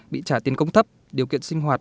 bị trả tiền công thấp điều kiện sinh hoạt